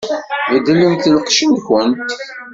Beddlemt lqecc-nkent!